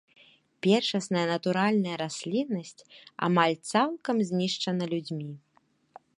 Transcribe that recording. Першасная натуральная расліннасць амаль цалкам знішчана людзьмі.